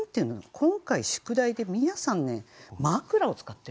今回宿題で皆さんね「枕」を使ってるんですよね。